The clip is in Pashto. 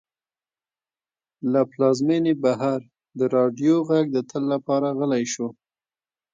له پلازمېنې بهر د راډیو غږ د تل لپاره غلی شو.